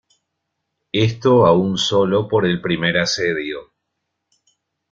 Esto aun solo por el primer Asedio.